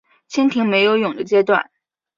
蜻蜓没有蛹的阶段。